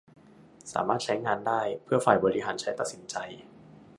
สามารถใช้งานได้เพื่อฝ่ายบริหารใช้ตัดสินใจ